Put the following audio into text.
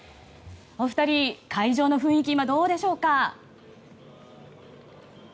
お二人、会場の雰囲気は今、どうでしょうか？